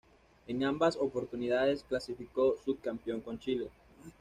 En ambas oportunidades clasificó subcampeón con Chile.